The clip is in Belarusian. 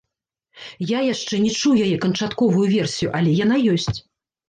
Я яшчэ не чуў яе канчатковую версію, але яна ёсць!